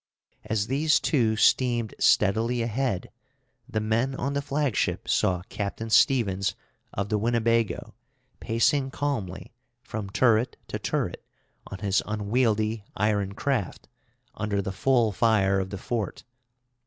As these two steamed steadily ahead, the men on the flagship saw Captain Stevens, of the Winnebago, pacing calmly, from turret to turret, on his unwieldy iron craft, under the full fire of the fort.